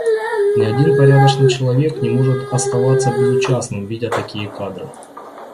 Ни один порядочный человек не может оставаться безучастным, видя такие кадры.